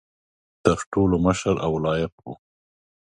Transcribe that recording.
تر ټولو مشر او لایق وو.